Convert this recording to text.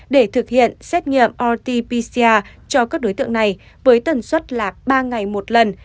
để thực hiện xét nghiệm rt pcr cho các đối tượng này với tần suất là ba ngày một lần